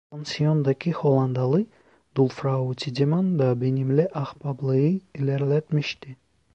Pansiyondaki Hollandalı dul Frau Tiedemann da benimle ahbaplığı ilerletmişti.